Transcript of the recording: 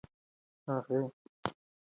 هغې د خپلو مینهوالو غوښتنې ومنلې.